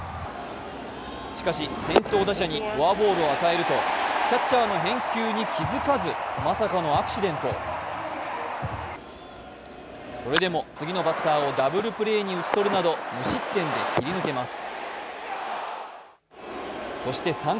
しかし先頭打者にフォアボールを与えると、キャッチャーの返球に気付かずまさかのアクシデント、それでも次のバッターをダブルプレーに打ち取るなとや、無失点で切り抜けます。